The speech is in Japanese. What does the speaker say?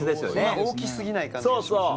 大き過ぎない感じがしますよね。